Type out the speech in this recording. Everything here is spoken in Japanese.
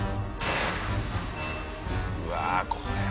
うわあこれは。